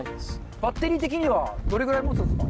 バッテリー的にはどれぐらいもつんですか？